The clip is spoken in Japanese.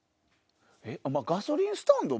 ガソリンスタンド